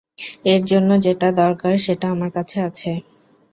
এর জন্য যেটা দরকার সেটা আমার কাছে আছে।